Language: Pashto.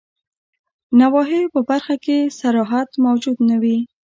نواهیو په برخه کي صراحت موجود نه وي.